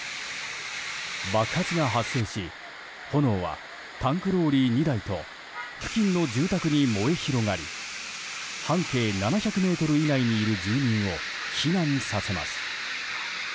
爆発が発生し炎はタンクローリー２台と付近の住宅に燃え広がり半径７００ｍ以内にいる住民を避難させます。